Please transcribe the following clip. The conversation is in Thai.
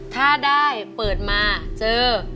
ถ้าได้เปิดมาเจอ